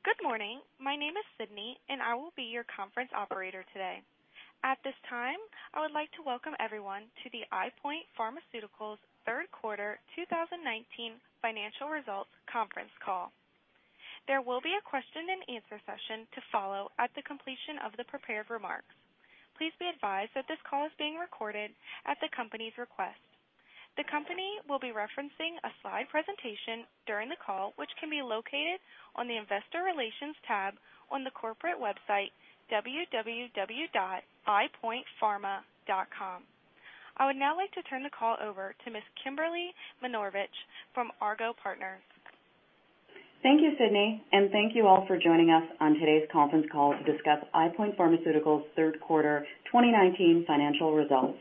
Good morning. My name is Sydney, I will be your conference operator today. At this time, I would like to welcome everyone to the EyePoint Pharmaceuticals Third Quarter 2019 Financial Results Conference Call. There will be a question and answer session to follow at the completion of the prepared remarks. Please be advised that this call is being recorded at the company's request. The company will be referencing a slide presentation during the call, which can be located on the investor relations tab on the corporate website, www.eyepointpharma.com. I would now like to turn the call over to Miss Kimberly Minarovich from Argot Partners. Thank you, Sydney, and thank you all for joining us on today's conference call to discuss EyePoint Pharmaceuticals' third quarter 2019 financial results.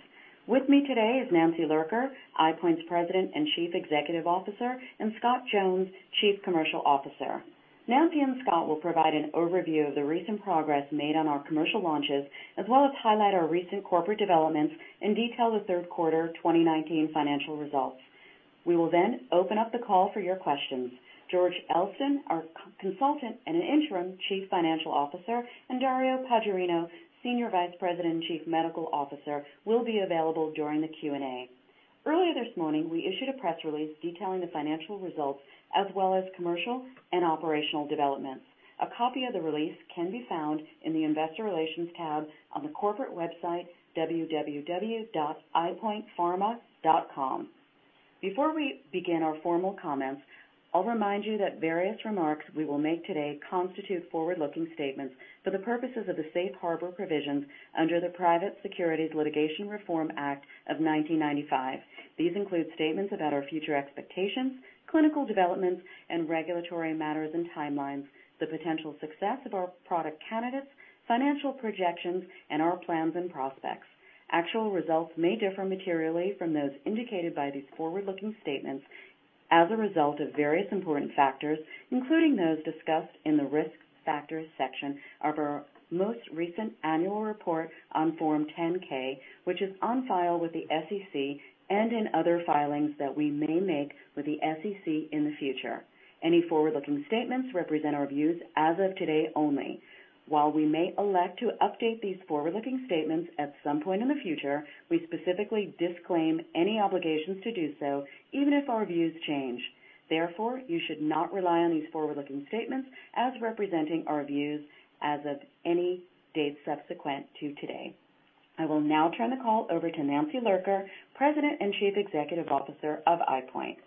With me today is Nancy Lurker, EyePoint's President and Chief Executive Officer, and Scott Jones, Chief Commercial Officer. Nancy and Scott will provide an overview of the recent progress made on our commercial launches, as well as highlight our recent corporate developments and detail the third quarter 2019 financial results. We will open up the call for your questions. George Elston, our consultant and an interim Chief Financial Officer, and Dario Paggiarino, Senior Vice President and Chief Medical Officer, will be available during the Q&A. Earlier this morning, we issued a press release detailing the financial results as well as commercial and operational developments. A copy of the release can be found in the investor relations tab on the corporate website, www.eyepointpharma.com. Before we begin our formal comments, I'll remind you that various remarks we will make today constitute forward-looking statements for the purposes of the safe harbor provisions under the Private Securities Litigation Reform Act of 1995. These include statements about our future expectations, clinical developments, and regulatory matters and timelines, the potential success of our product candidates, financial projections, and our plans and prospects. Actual results may differ materially from those indicated by these forward-looking statements as a result of various important factors, including those discussed in the risk factors section of our most recent annual report on Form 10-K, which is on file with the SEC and in other filings that we may make with the SEC in the future. Any forward-looking statements represent our views as of today only. While we may elect to update these forward-looking statements at some point in the future, we specifically disclaim any obligations to do so, even if our views change. Therefore, you should not rely on these forward-looking statements as representing our views as of any date subsequent to today. I will now turn the call over to Nancy Lurker, President and Chief Executive Officer of EyePoint.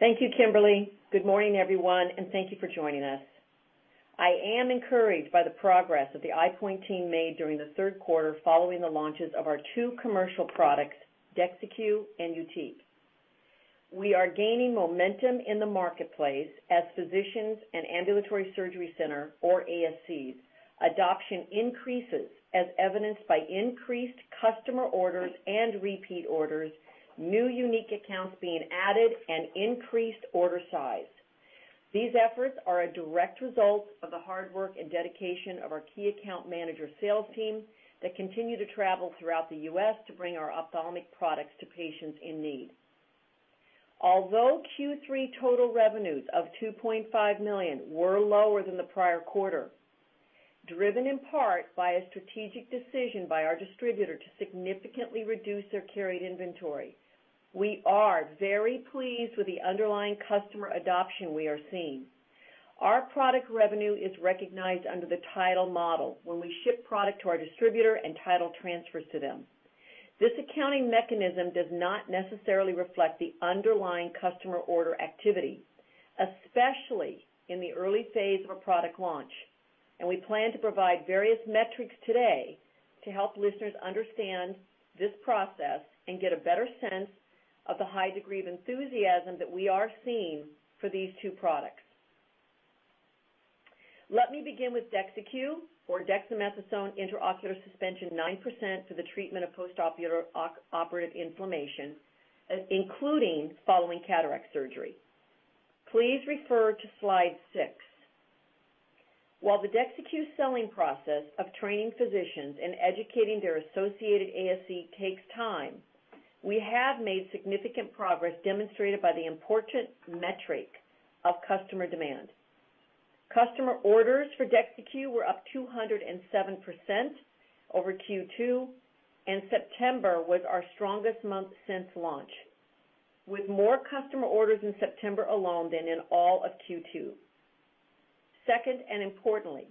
Thank you, Kimberly. Good morning, everyone, and thank you for joining us. I am encouraged by the progress that the EyePoint team made during the third quarter following the launches of our two commercial products, DEXYCU and YUTIQ. We are gaining momentum in the marketplace as physicians and ambulatory surgery center, or ASCs, adoption increases as evidenced by increased customer orders and repeat orders, new unique accounts being added, and increased order size. These efforts are a direct result of the hard work and dedication of our key account manager sales team that continue to travel throughout the U.S. to bring our ophthalmic products to patients in need. Although Q3 total revenues of $2.5 million were lower than the prior quarter, driven in part by a strategic decision by our distributor to significantly reduce their carried inventory, we are very pleased with the underlying customer adoption we are seeing. Our product revenue is recognized under the title model when we ship product to our distributor and title transfers to them. This accounting mechanism does not necessarily reflect the underlying customer order activity, especially in the early phase of a product launch, and we plan to provide various metrics today to help listeners understand this process and get a better sense of the high degree of enthusiasm that we are seeing for these two products. Let me begin with DEXYCU, or dexamethasone intraocular suspension 9% for the treatment of postoperative inflammation, including following cataract surgery. Please refer to slide six. While the DEXYCU selling process of training physicians and educating their associated ASC takes time, we have made significant progress demonstrated by the important metric of customer demand. Customer orders for DEXYCU were up 207% over Q2. September was our strongest month since launch, with more customer orders in September alone than in all of Q2. Second, importantly,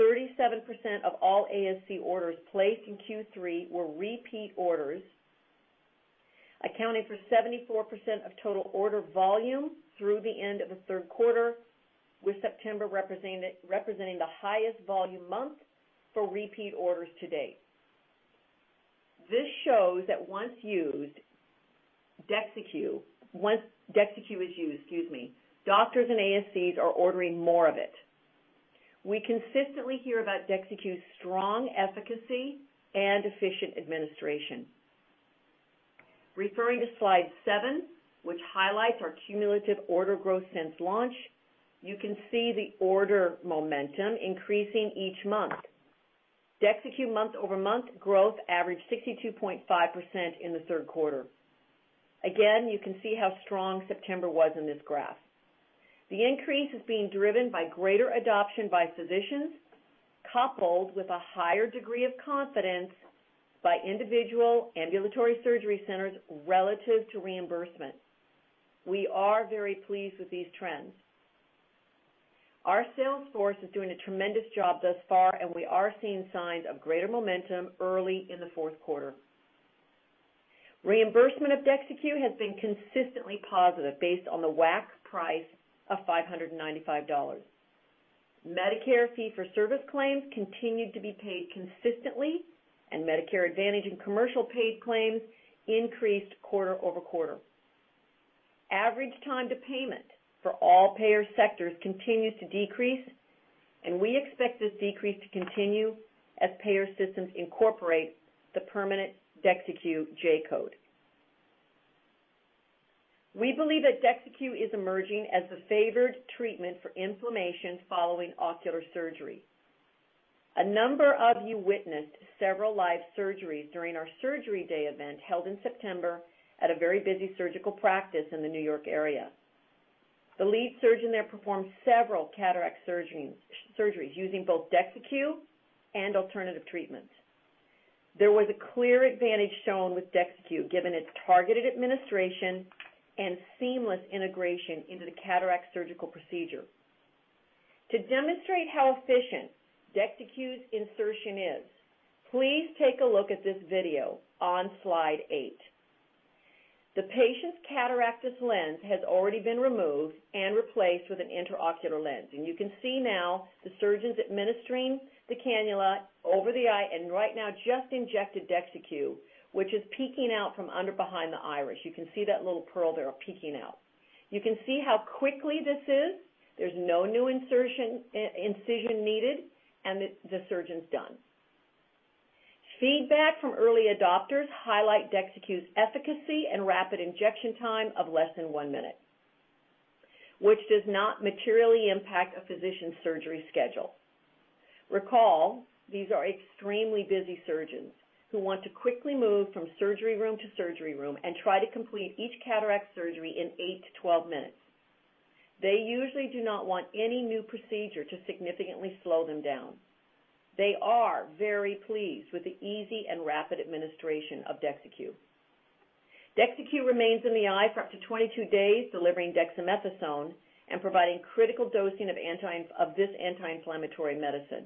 37% of all ASC orders placed in Q3 were repeat orders, accounting for 74% of total order volume through the end of the third quarter, with September representing the highest volume month for repeat orders to date. This shows that once DEXYCU is used, excuse me, doctors and ASCs are ordering more of it. We consistently hear about DEXYCU's strong efficacy and efficient administration. Referring to slide seven, which highlights our cumulative order growth since launch, you can see the order momentum increasing each month. DEXYCU month-over-month growth averaged 62.5% in the third quarter. You can see how strong September was in this graph. The increase is being driven by greater adoption by physicians, coupled with a higher degree of confidence by individual ambulatory surgery centers relative to reimbursement. We are very pleased with these trends. Our sales force is doing a tremendous job thus far, and we are seeing signs of greater momentum early in the fourth quarter. Reimbursement of DEXYCU has been consistently positive based on the WAC price of $595. Medicare fee-for-service claims continued to be paid consistently, and Medicare Advantage and commercial paid claims increased quarter-over-quarter. Average time to payment for all payer sectors continues to decrease, and we expect this decrease to continue as payer systems incorporate the permanent DEXYCU J-code. We believe that DEXYCU is emerging as the favored treatment for inflammation following ocular surgery. A number of you witnessed several live surgeries during our surgery day event held in September at a very busy surgical practice in the New York area. The lead surgeon there performed several cataract surgeries using both DEXYCU and alternative treatments. There was a clear advantage shown with DEXYCU, given its targeted administration and seamless integration into the cataract surgical procedure. To demonstrate how efficient DEXYCU's insertion is, please take a look at this video on slide eight. The patient's cataractous lens has already been removed and replaced with an intraocular lens, and you can see now the surgeon's administering the cannula over the eye and right now just injected DEXYCU, which is peeking out from under behind the iris. You can see that little pearl there peeking out. You can see how quick this is. There's no new incision needed, and the surgeon's done. Feedback from early adopters highlight DEXYCU's efficacy and rapid injection time of less than one minute, which does not materially impact a physician's surgery schedule. Recall, these are extremely busy surgeons who want to quickly move from surgery room to surgery room and try to complete each cataract surgery in 8-12 minutes. They usually do not want any new procedure to significantly slow them down. They are very pleased with the easy and rapid administration of DEXYCU. DEXYCU remains in the eye for up to 22 days, delivering dexamethasone and providing critical dosing of this anti-inflammatory medicine,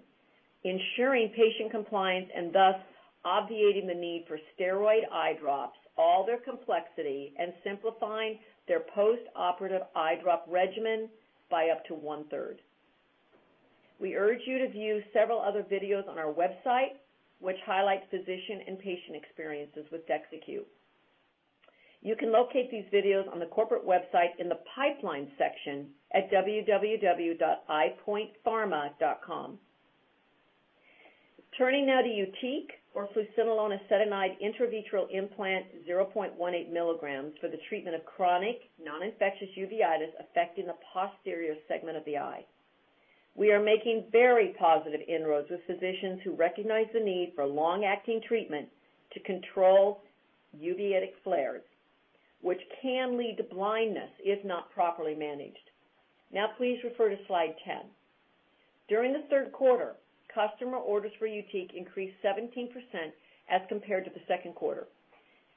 ensuring patient compliance and thus obviating the need for steroid eye drops, all their complexity, and simplifying their post-operative eye drop regimen by up to one-third. We urge you to view several other videos on our website, which highlight physician and patient experiences with DEXYCU. You can locate these videos on the corporate website in the Pipeline section at www.eyepointpharma.com. Turning now to YUTIQ, or fluocinolone acetonide intravitreal implant 0.18 milligrams for the treatment of chronic non-infectious uveitis affecting the posterior segment of the eye. We are making very positive inroads with physicians who recognize the need for long-acting treatment to control uveitic flares, which can lead to blindness if not properly managed. Please refer to slide 10. During the third quarter, customer orders for YUTIQ increased 17% as compared to the second quarter.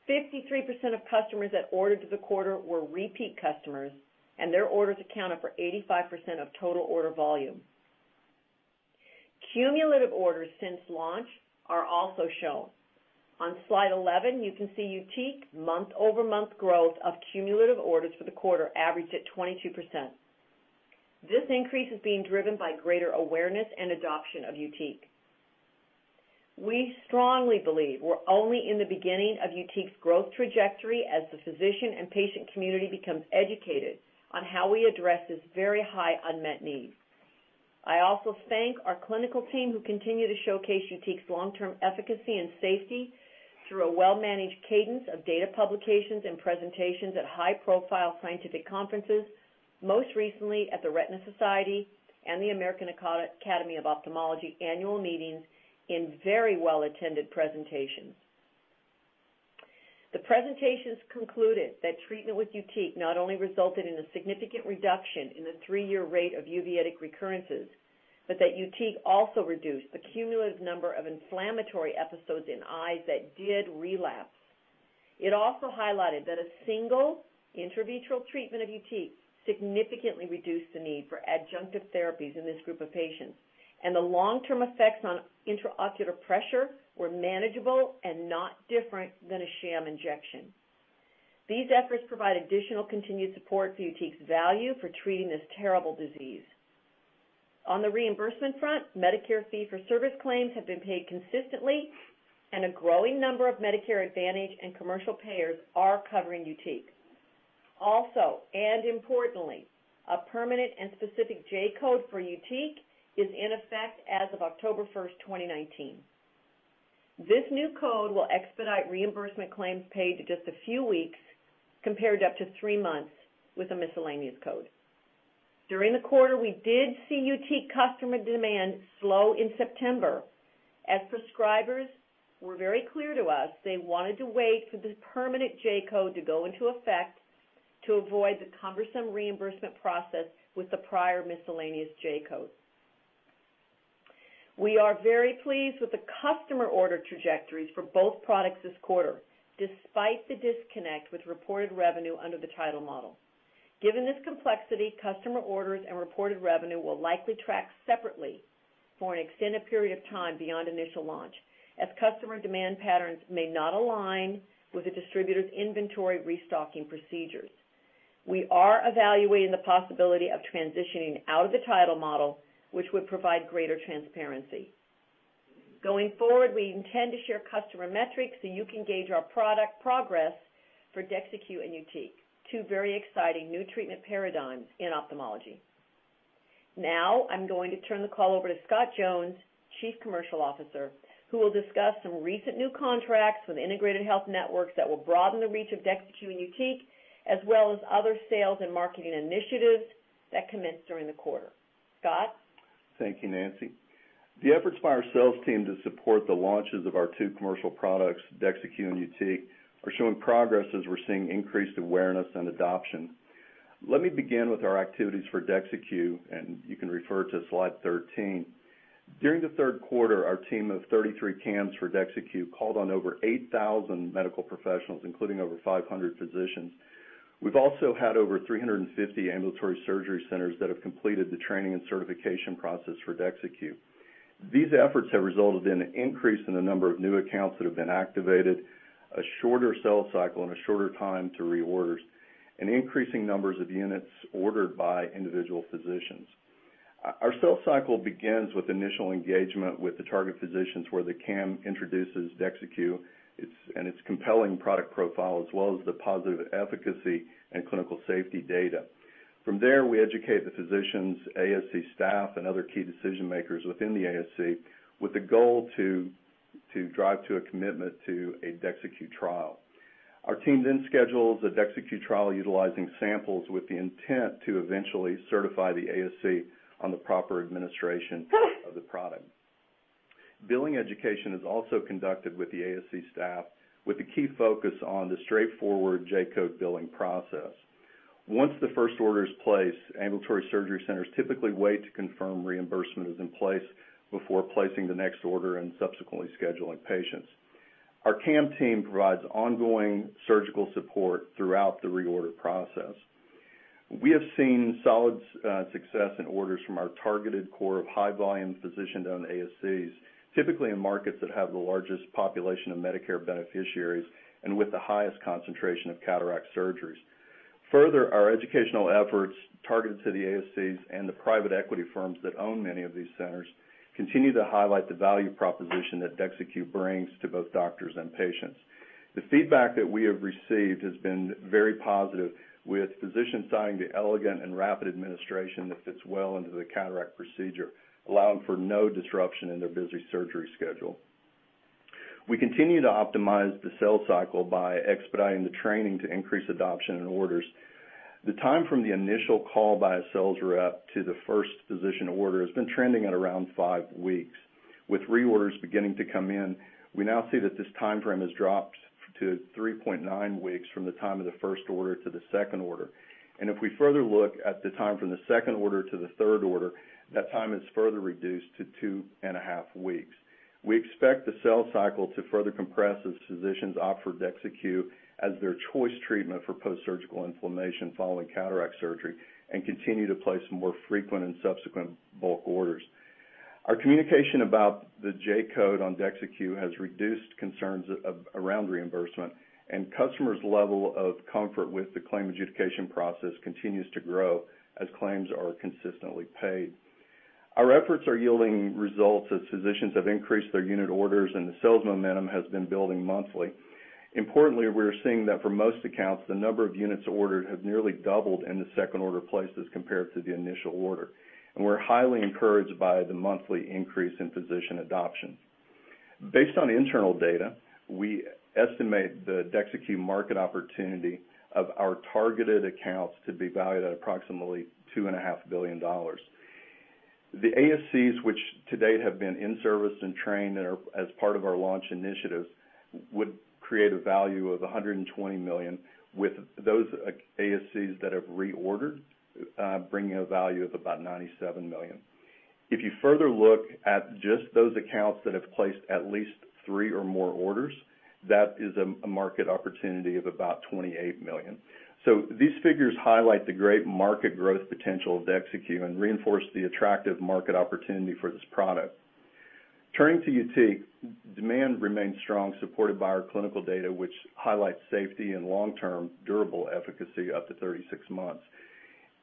53% of customers that ordered for the quarter were repeat customers, and their orders accounted for 85% of total order volume. Cumulative orders since launch are also shown. On slide 11, you can see YUTIQ month-over-month growth of cumulative orders for the quarter averaged at 22%. This increase is being driven by greater awareness and adoption of YUTIQ. We strongly believe we're only in the beginning of YUTIQ's growth trajectory as the physician and patient community becomes educated on how we address this very high unmet need. I also thank our clinical team who continue to showcase YUTIQ's long-term efficacy and safety through a well-managed cadence of data publications and presentations at high-profile scientific conferences, most recently at the Retina Society and the American Academy of Ophthalmology annual meetings in very well-attended presentations. The presentations concluded that treatment with YUTIQ not only resulted in a significant reduction in the three-year rate of uveitic recurrences, but that YUTIQ also reduced the cumulative number of inflammatory episodes in eyes that did relapse. It also highlighted that a single intravitreal treatment of YUTIQ significantly reduced the need for adjunctive therapies in this group of patients, and the long-term effects on intraocular pressure were manageable and not different than a sham injection. These efforts provide additional continued support for YUTIQ's value for treating this terrible disease. On the reimbursement front, Medicare fee-for-service claims have been paid consistently, and a growing number of Medicare Advantage and commercial payers are covering YUTIQ. Also, and importantly, a permanent and specific J-code for YUTIQ is in effect as of October 1st, 2019. This new code will expedite reimbursement claims paid to just a few weeks, compared to up to 3 months with a miscellaneous code. During the quarter, we did see YUTIQ customer demand slow in September, as prescribers were very clear to us, they wanted to wait for the permanent J-code to go into effect to avoid the cumbersome reimbursement process with the prior miscellaneous J-code. We are very pleased with the customer order trajectories for both products this quarter, despite the disconnect with reported revenue under the title model. Given this complexity, customer orders and reported revenue will likely track separately for an extended period of time beyond initial launch, as customer demand patterns may not align with the distributor's inventory restocking procedures. We are evaluating the possibility of transitioning out of the title model, which would provide greater transparency. Going forward, we intend to share customer metrics so you can gauge our product progress for DEXYCU and YUTIQ, two very exciting new treatment paradigms in ophthalmology. I'm going to turn the call over to Scott Jones, Chief Commercial Officer, who will discuss some recent new contracts with integrated health networks that will broaden the reach of DEXYCU and YUTIQ, as well as other sales and marketing initiatives that commenced during the quarter. Scott? Thank you, Nancy. The efforts by our sales team to support the launches of our two commercial products, DEXYCU and YUTIQ, are showing progress as we're seeing increased awareness and adoption. Let me begin with our activities for DEXYCU. You can refer to slide 13. During the third quarter, our team of 33 CAMs for DEXYCU called on over 8,000 medical professionals, including over 500 physicians. We've also had over 350 ambulatory surgery centers that have completed the training and certification process for DEXYCU. These efforts have resulted in an increase in the number of new accounts that have been activated, a shorter sales cycle, and a shorter time to reorders, and increasing numbers of units ordered by individual physicians. Our sales cycle begins with initial engagement with the target physicians, where the CAM introduces DEXYCU and its compelling product profile, as well as the positive efficacy and clinical safety data. From there, we educate the physicians, ASC staff, and other key decision-makers within the ASC with the goal to drive to a commitment to a DEXYCU trial. Our team then schedules a DEXYCU trial utilizing samples with the intent to eventually certify the ASC on the proper administration of the product. Billing education is also conducted with the ASC staff with a key focus on the straightforward J-code billing process. Once the first order is placed, ambulatory surgery centers typically wait to confirm reimbursement is in place before placing the next order and subsequently scheduling patients. Our CAM team provides ongoing surgical support throughout the reorder process. We have seen solid success in orders from our targeted core of high-volume physician-owned ASCs, typically in markets that have the largest population of Medicare beneficiaries and with the highest concentration of cataract surgeries. Further, our educational efforts targeted to the ASCs and the private equity firms that own many of these centers continue to highlight the value proposition that DEXYCU brings to both doctors and patients. The feedback that we have received has been very positive, with physicians citing the elegant and rapid administration that fits well into the cataract procedure, allowing for no disruption in their busy surgery schedule. We continue to optimize the sales cycle by expediting the training to increase adoption and orders. The time from the initial call by a sales rep to the first physician order has been trending at around five weeks. With reorders beginning to come in, we now see that this timeframe has dropped to 3.9 weeks from the time of the first order to the second order. If we further look at the time from the second order to the third order, that time is further reduced to two and a half weeks. We expect the sales cycle to further compress as physicians offer DEXYCU as their choice treatment for post-surgical inflammation following cataract surgery and continue to place more frequent and subsequent bulk orders. Our communication about the J-code on DEXYCU has reduced concerns around reimbursement, and customers' level of comfort with the claim adjudication process continues to grow as claims are consistently paid. Our efforts are yielding results as physicians have increased their unit orders, and the sales momentum has been building monthly. Importantly, we are seeing that for most accounts, the number of units ordered have nearly doubled in the second order placed as compared to the initial order. We're highly encouraged by the monthly increase in physician adoption. Based on internal data, we estimate the DEXYCU market opportunity of our targeted accounts to be valued at approximately $2.5 billion. The ASCs, which to date have been in-serviced and trained as part of our launch initiatives, would create a value of $120 million, with those ASCs that have reordered bringing a value of about $97 million. If you further look at just those accounts that have placed at least three or more orders, that is a market opportunity of about $28 million. These figures highlight the great market growth potential of DEXYCU and reinforce the attractive market opportunity for this product. Turning to YUTIQ, demand remains strong, supported by our clinical data, which highlights safety and long-term durable efficacy up to 36 months.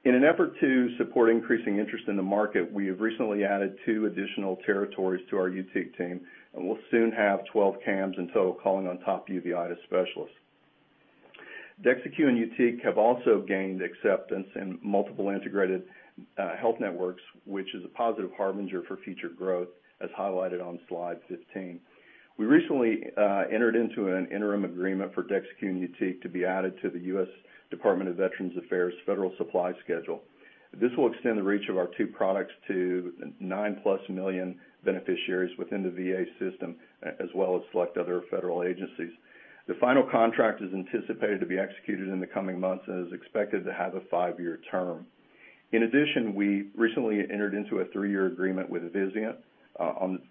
In an effort to support increasing interest in the market, we have recently added two additional territories to our YUTIQ team, and we'll soon have 12 CAMs in total calling on top uveitis specialists. DEXYCU and YUTIQ have also gained acceptance in multiple integrated health networks, which is a positive harbinger for future growth, as highlighted on slide 15. We recently entered into an interim agreement for DEXYCU and YUTIQ to be added to the U.S. Department of Veterans Affairs Federal Supply Schedule. This will extend the reach of our two products to 9+ million beneficiaries within the VA system, as well as select other federal agencies. The final contract is anticipated to be executed in the coming months and is expected to have a five-year term. In addition, we recently entered into a three-year agreement with Vizient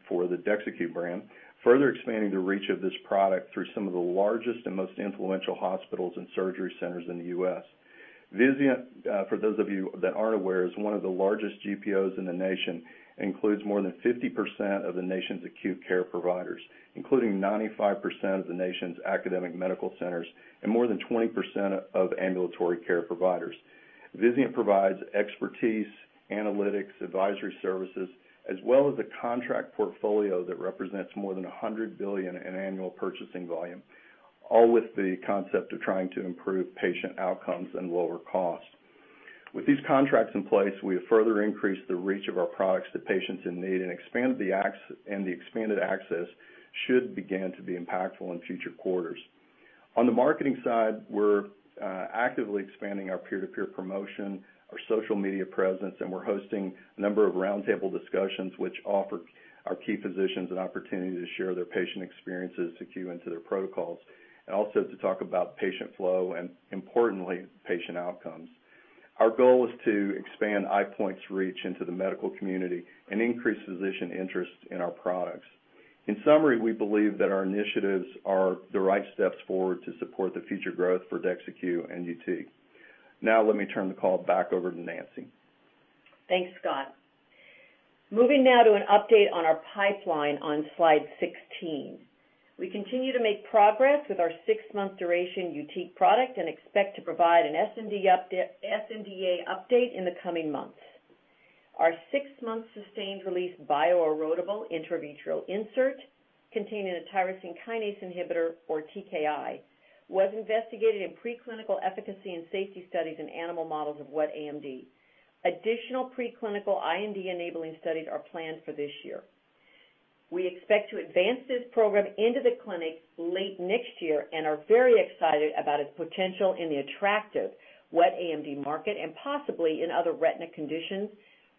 for the DEXYCU brand, further expanding the reach of this product through some of the largest and most influential hospitals and surgery centers in the U.S. Vizient, for those of you that aren't aware, is one of the largest GPOs in the nation, includes more than 50% of the nation's acute care providers, including 95% of the nation's academic medical centers and more than 20% of ambulatory care providers. Vizient provides expertise, analytics, advisory services, as well as a contract portfolio that represents more than $100 billion in annual purchasing volume, all with the concept of trying to improve patient outcomes and lower costs. With these contracts in place, we have further increased the reach of our products to patients in need and the expanded access should begin to be impactful in future quarters. On the marketing side, we're actively expanding our peer-to-peer promotion, our social media presence, and we're hosting a number of roundtable discussions which offer our key physicians an opportunity to share their patient experiences, to cue into their protocols, and also to talk about patient flow and importantly, patient outcomes. Our goal is to expand EyePoint's reach into the medical community and increase physician interest in our products. In summary, we believe that our initiatives are the right steps forward to support the future growth for DEXYCU and YUTIQ. Now, let me turn the call back over to Nancy. Thanks, Scott. Moving now to an update on our pipeline on slide 16. We continue to make progress with our six-month duration YUTIQ product and expect to provide an sNDA update in the coming months. Our six-month sustained release bio-erodible intravitreal insert containing a tyrosine kinase inhibitor, or TKI, was investigated in preclinical efficacy and safety studies in animal models of wet AMD. Additional preclinical IND-enabling studies are planned for this year. We expect to advance this program into the clinic late next year and are very excited about its potential in the attractive wet AMD market and possibly in other retina conditions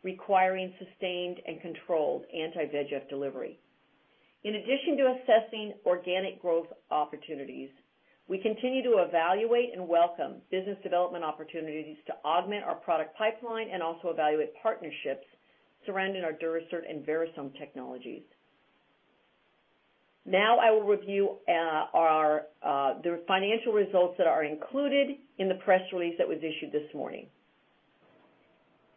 requiring sustained and controlled anti-VEGF delivery. In addition to assessing organic growth opportunities, we continue to evaluate and welcome business development opportunities to augment our product pipeline and also evaluate partnerships surrounding our Durasert and Verisome technologies. I will review the financial results that are included in the press release that was issued this morning.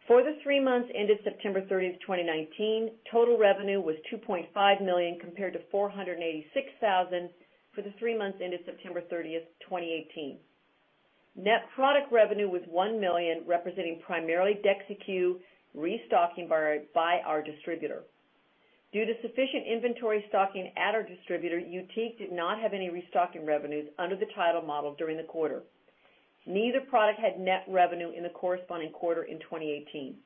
For the three months ended September 30th, 2019, total revenue was $2.5 million compared to $486,000 for the three months ended September 30th, 2018. Net product revenue was $1 million, representing primarily DEXYCU restocking by our distributor. Due to sufficient inventory stocking at our distributor, YUTIQ did not have any restocking revenues under the title model during the quarter. Neither product had net revenue in the corresponding quarter in 2018.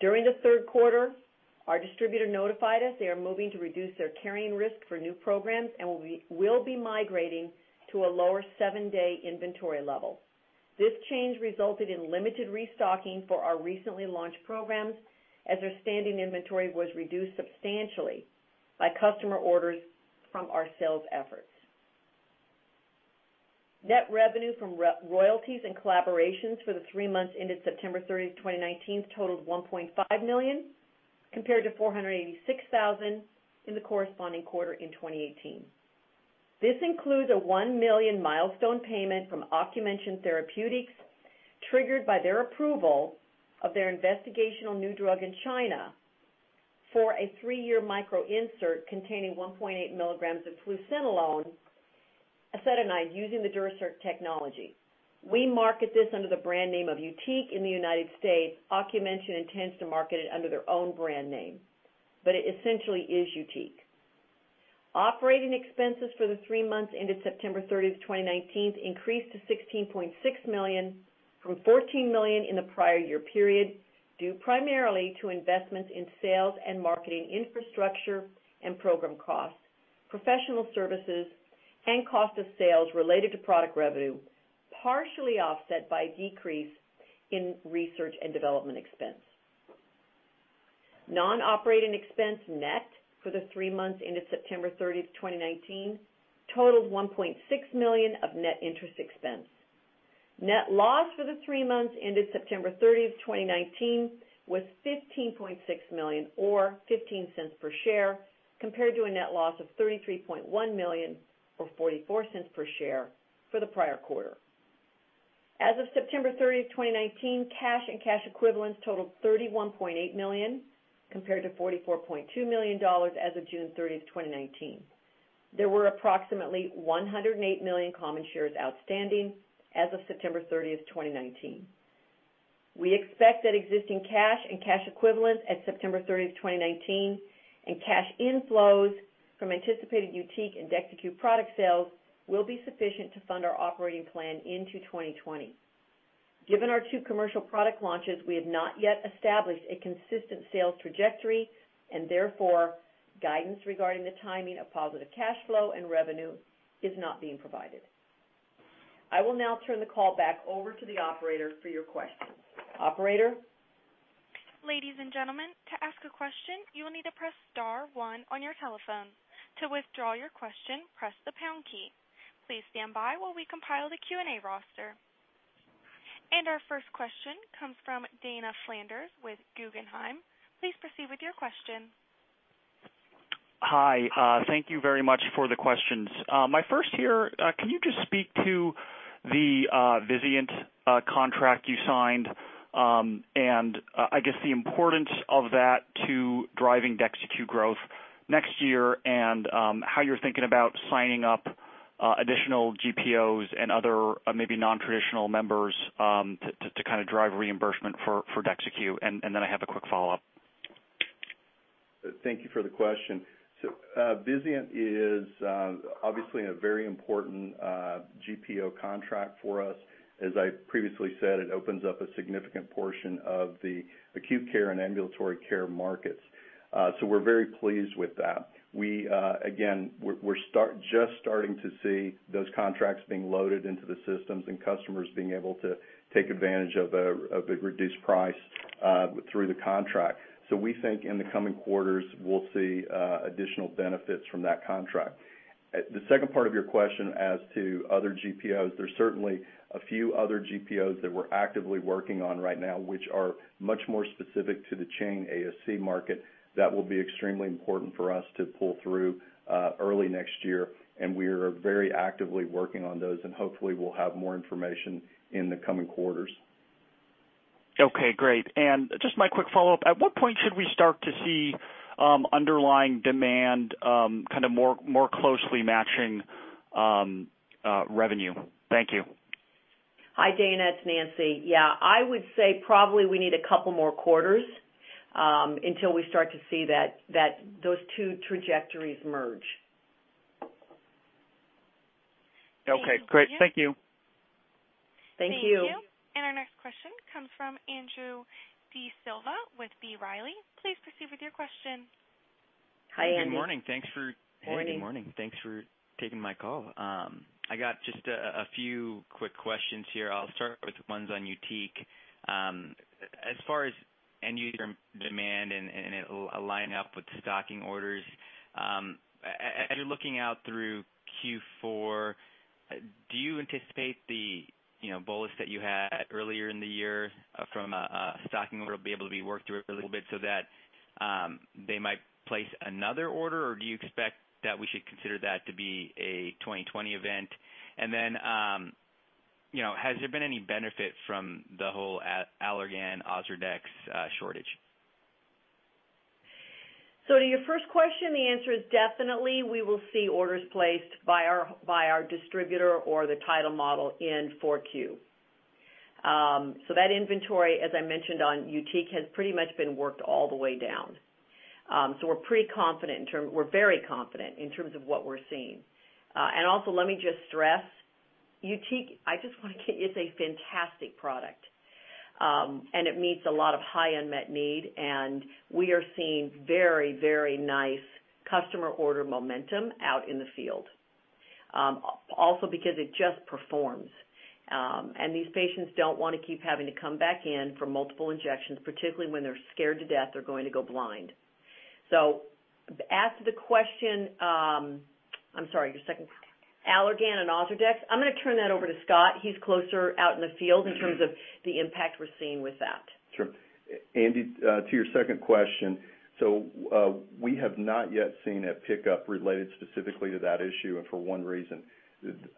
During the third quarter, our distributor notified us they are moving to reduce their carrying risk for new programs and will be migrating to a lower seven-day inventory level. This change resulted in limited restocking for our recently launched programs as their standing inventory was reduced substantially by customer orders from our sales efforts. Net revenue from royalties and collaborations for the three months ended September 30th, 2019 totaled $1.5 million, compared to $486,000 in the corresponding quarter in 2018. This includes a $1 million milestone payment from Ocumension Therapeutics, triggered by their approval of their investigational new drug in China for a three-year micro insert containing 1.8 milligrams of fluocinolone acetonide using the Durasert technology. We market this under the brand name of YUTIQ in the U.S. Ocumension intends to market it under their own brand name, it essentially is YUTIQ. Operating expenses for the three months ended September 30th, 2019 increased to $16.6 million from $14 million in the prior year period, due primarily to investments in sales and marketing infrastructure and program costs, professional services, and cost of sales related to product revenue, partially offset by decrease in research and development expense. Non-operating expense net for the three months ended September 30th, 2019 totaled $1.6 million of net interest expense. Net loss for the three months ended September 30th, 2019 was $15.6 million or $0.15 per share, compared to a net loss of $33.1 million or $0.44 per share for the prior quarter. As of September 30th, 2019, cash and cash equivalents totaled $31.8 million, compared to $44.2 million as of June 30th, 2019. We expect that existing cash and cash equivalents at September 30th, 2019, and cash inflows from anticipated YUTIQ and DEXYCU product sales will be sufficient to fund our operating plan into 2020. Given our two commercial product launches, we have not yet established a consistent sales trajectory. Therefore, guidance regarding the timing of positive cash flow and revenue is not being provided. I will now turn the call back over to the operator for your questions. Operator? Ladies and gentlemen, to ask a question, you will need to press star one on your telephone. To withdraw your question, press the pound key. Please stand by while we compile the Q&A roster. Our first question comes from Dana Flanders with Guggenheim. Please proceed with your question. Hi. Thank you very much for the questions. My first here, can you just speak to the Vizient contract you signed, and I guess the importance of that to driving DEXYCU growth next year and how you're thinking about signing up additional GPOs and other maybe non-traditional members to drive reimbursement for DEXYCU? Then I have a quick follow-up. Thank you for the question. Vizient is obviously a very important GPO contract for us. As I previously said, it opens up a significant portion of the acute care and ambulatory care markets. We're very pleased with that. Again, we're just starting to see those contracts being loaded into the systems and customers being able to take advantage of a reduced price through the contract. We think in the coming quarters, we'll see additional benefits from that contract. The second part of your question as to other GPOs, there's certainly a few other GPOs that we're actively working on right now, which are much more specific to the chain ASC market that will be extremely important for us to pull through early next year, and we are very actively working on those, and hopefully we'll have more information in the coming quarters. Okay, great. Just my quick follow-up, at what point should we start to see underlying demand more closely matching revenue? Thank you. Hi, Dana, it's Nancy. Yeah, I would say probably we need a couple more quarters until we start to see those two trajectories merge. Okay, great. Thank you. Thank you. Thank you. Our next question comes from Andrew D'Silva with B. Riley FBR. Please proceed with your question. Hi, Andrew. Good morning. Morning. Hey, good morning. Thanks for taking my call. I got just a few quick questions here. I'll start with ones on YUTIQ. As far as end-user demand and it lining up with stocking orders, as you're looking out through Q4, do you anticipate the bolus that you had earlier in the year from a stocking order will be able to be worked through a little bit so that they might place another order? Or do you expect that we should consider that to be a 2020 event? Has there been any benefit from the whole Allergan OZURDEX shortage? To your first question, the answer is definitely, we will see orders placed by our distributor or the title model in 4Q. That inventory, as I mentioned on YUTIQ, has pretty much been worked all the way down. We're very confident in terms of what we're seeing. Also, let me just stress, YUTIQ, I just want to get you, it's a fantastic product. It meets a lot of high unmet need, and we are seeing very nice customer order momentum out in the field. Also because it just performs. These patients don't want to keep having to come back in for multiple injections, particularly when they're scared to death they're going to go blind. As to the question, I'm sorry, your second part. Allergan and OZURDEX, I'm going to turn that over to Scott. He's closer out in the field in terms of the impact we're seeing with that. Sure. Andy, to your second question, we have not yet seen a pickup related specifically to that issue and for one reason.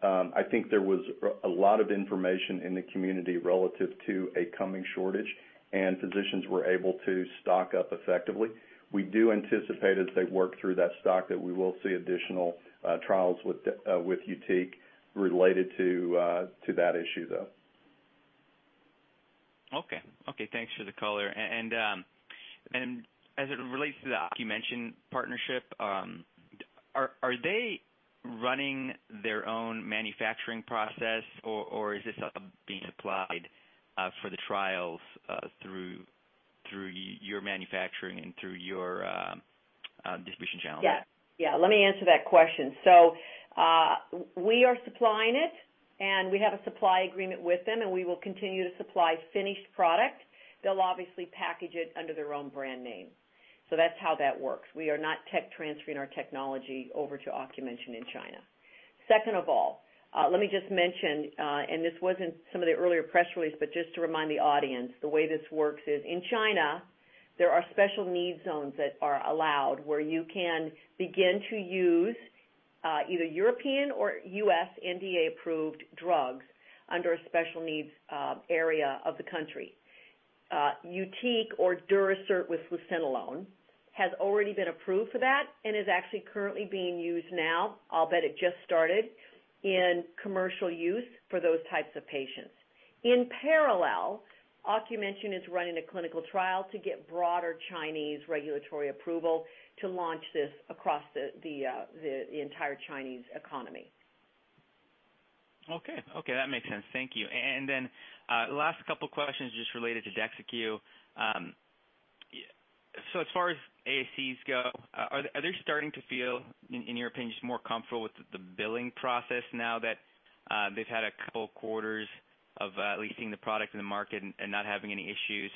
I think there was a lot of information in the community relative to a coming shortage, and physicians were able to stock up effectively. We do anticipate as they work through that stock that we will see additional trials with YUTIQ related to that issue, though. Okay. Thanks for the color. As it relates to the Ocumension partnership, are they running their own manufacturing process, or is this being supplied for the trials through your manufacturing and through your distribution channel? Yeah. Let me answer that question. We are supplying it, and we have a supply agreement with them, and we will continue to supply finished product. They'll obviously package it under their own brand name. That's how that works. We are not tech transferring our technology over to Ocumension in China. Second of all, let me just mention, and this was in some of the earlier press release, but just to remind the audience, the way this works is, in China, there are special need zones that are allowed where you can begin to use either European or U.S. NDA-approved drugs under a special needs area of the country. YUTIQ or Durasert with fluocinolone has already been approved for that and is actually currently being used now, albeit it just started in commercial use for those types of patients. In parallel, Ocumension is running a clinical trial to get broader Chinese regulatory approval to launch this across the entire Chinese economy. Okay. That makes sense. Thank you. Last couple questions just related to DEXYCU. As far as ASCs go, are they starting to feel, in your opinion, just more comfortable with the billing process now that they've had a couple quarters of leasing the product in the market and not having any issues?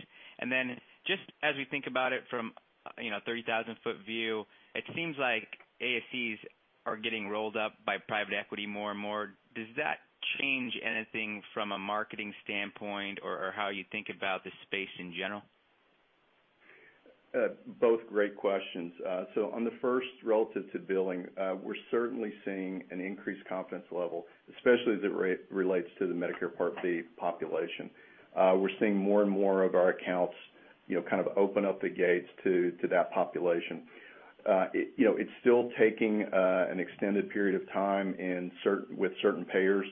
Just as we think about it from 30,000-foot view, it seems like ASCs are getting rolled up by private equity more and more. Does that change anything from a marketing standpoint or how you think about the space in general? Both great questions. On the first relative to billing, we're certainly seeing an increased confidence level, especially as it relates to the Medicare Part B population. We're seeing more and more of our accounts open up the gates to that population. It's still taking an extended period of time with certain payers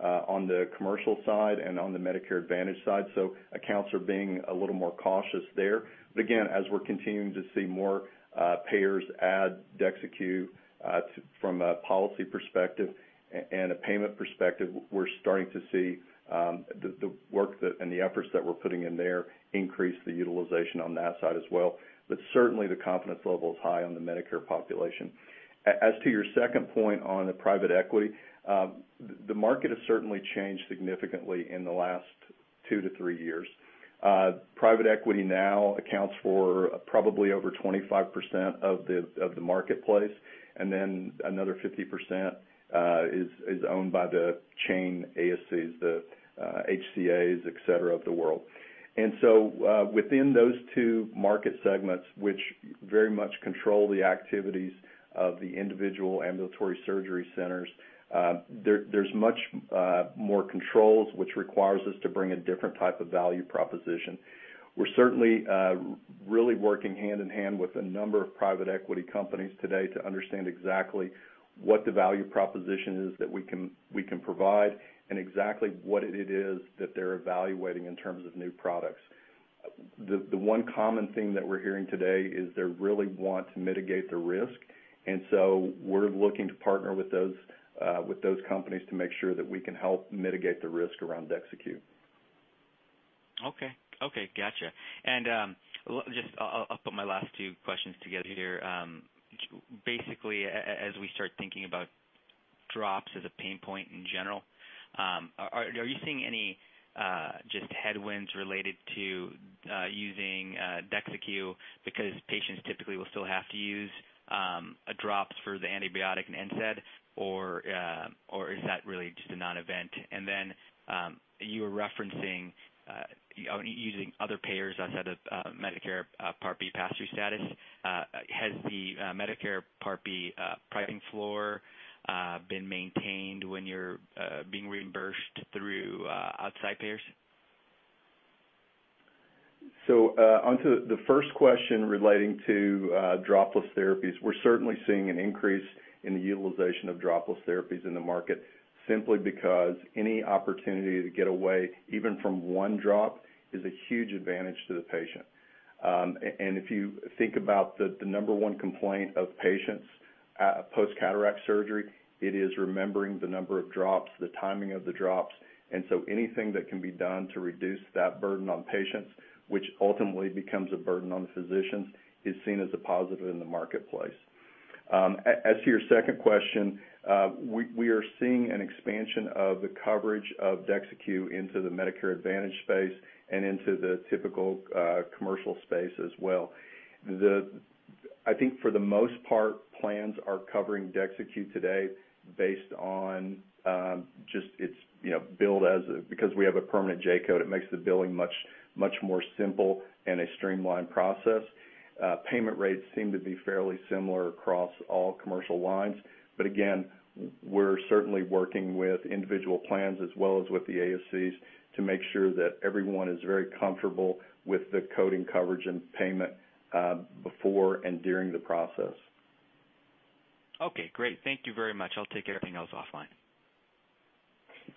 on the commercial side and on the Medicare Advantage side. Accounts are being a little more cautious there. As we're continuing to see more payers add DEXYCU from a policy perspective and a payment perspective, we're starting to see the work and the efforts that we're putting in there increase the utilization on that side as well. Certainly, the confidence level is high on the Medicare population. As to your second point on the private equity, the market has certainly changed significantly in the last two to three years. Private equity now accounts for probably over 25% of the marketplace, and then another 50% is owned by the chain ASCs, the HCA, et cetera, of the world. Within those two market segments, which very much control the activities of the individual ambulatory surgery centers, there's much more controls, which requires us to bring a different type of value proposition. We're certainly really working hand-in-hand with a number of private equity companies today to understand exactly what the value proposition is that we can provide and exactly what it is that they're evaluating in terms of new products. The one common theme that we're hearing today is they really want to mitigate the risk, and so we're looking to partner with those companies to make sure that we can help mitigate the risk around DEXYCU. Okay. Gotcha. I'll put my last two questions together here. Basically, as we start thinking about drops as a pain point in general, are you seeing any just headwinds related to using DEXYCU because patients typically will still have to use drops for the antibiotic and NSAID, or is that really just a non-event? You were referencing using other payers outside of Medicare Part B pass-through status. Has the Medicare Part B pricing floor been maintained when you're being reimbursed through outside payers? Onto the first question relating to dropless therapies. We're certainly seeing an increase in the utilization of dropless therapies in the market, simply because any opportunity to get away, even from one drop, is a huge advantage to the patient. If you think about the number one complaint of patients post-cataract surgery, it is remembering the number of drops, the timing of the drops. Anything that can be done to reduce that burden on patients, which ultimately becomes a burden on the physicians, is seen as a positive in the marketplace. As to your second question, we are seeing an expansion of the coverage of DEXYCU into the Medicare Advantage space and into the typical commercial space as well. I think for the most part, plans are covering DEXYCU today based on just its bill. We have a permanent J-code, it makes the billing much more simple and a streamlined process. Payment rates seem to be fairly similar across all commercial lines. Again, we're certainly working with individual plans as well as with the ASCs to make sure that everyone is very comfortable with the coding coverage and payment before and during the process. Okay, great. Thank you very much. I'll take everything else offline.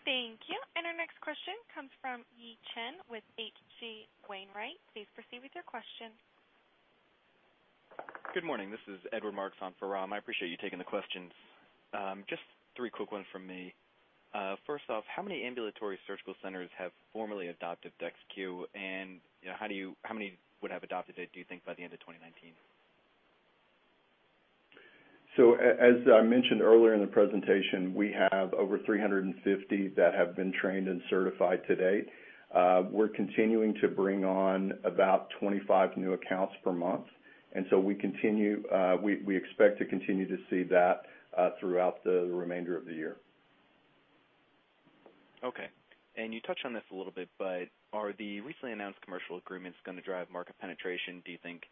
Thank you. Our next question comes from Yi Chen with H.C. Wainwright. Please proceed with your question. Good morning. This is Edward Marks on for Ram. I appreciate you taking the questions. Just three quick ones from me. First off, how many ambulatory surgical centers have formally adopted DEXYCU, and how many would have adopted it, do you think, by the end of 2019? As I mentioned earlier in the presentation, we have over 350 that have been trained and certified to date. We're continuing to bring on about 25 new accounts per month, and so we expect to continue to see that throughout the remainder of the year. Okay. You touched on this a little bit, but are the recently announced commercial agreements going to drive market penetration, do you think,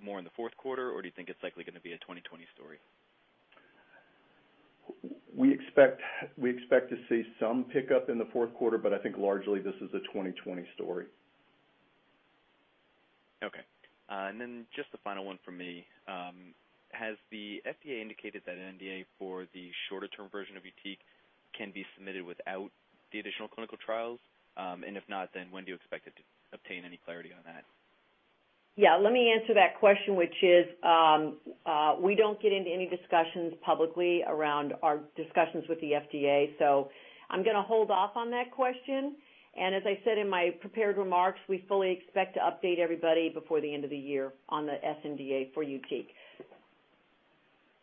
more in the fourth quarter, or do you think it's likely going to be a 2020 story? We expect to see some pickup in the fourth quarter, but I think largely this is a 2020 story. Okay. Just the final one from me. Has the FDA indicated that an NDA for the shorter-term version of YUTIQ can be submitted without the additional clinical trials? If not, when do you expect to obtain any clarity on that? Yeah, let me answer that question, which is, we don't get into any discussions publicly around our discussions with the FDA. I'm going to hold off on that question. As I said in my prepared remarks, we fully expect to update everybody before the end of the year on the sNDA for YUTIQ.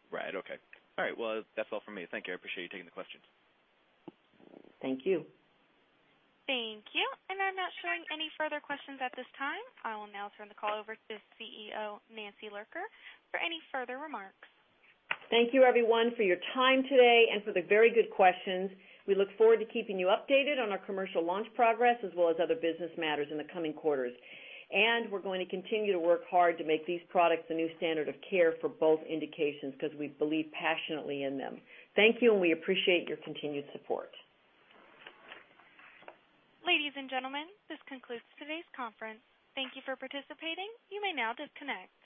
Right. Okay. All right. Well, that's all from me. Thank you. I appreciate you taking the questions. Thank you. Thank you. I'm not showing any further questions at this time. I will now turn the call over to CEO Nancy Lurker for any further remarks. Thank you everyone for your time today and for the very good questions. We look forward to keeping you updated on our commercial launch progress as well as other business matters in the coming quarters. We're going to continue to work hard to make these products the new standard of care for both indications, because we believe passionately in them. Thank you, and we appreciate your continued support. Ladies and gentlemen, this concludes today's conference. Thank you for participating. You may now disconnect.